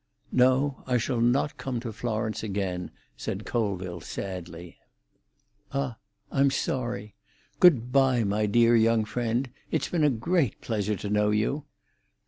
"No, I shall not come to Florence again," said Colville sadly. "Ah, I'm sorry. Good bye, my dear young friend. It's been a great pleasure to know you."